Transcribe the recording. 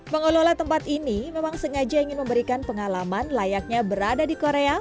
pengelola tempat ini memang sengaja ingin memberikan pengalaman layaknya berada di korea